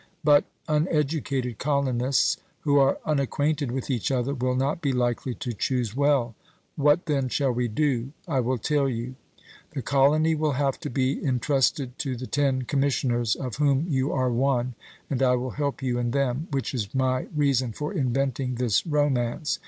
But uneducated colonists, who are unacquainted with each other, will not be likely to choose well. What, then, shall we do? I will tell you: The colony will have to be intrusted to the ten commissioners, of whom you are one, and I will help you and them, which is my reason for inventing this romance.